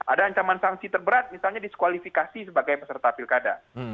ada ancaman sanksi terberat misalnya diskualifikasi sebagai peserta pilkada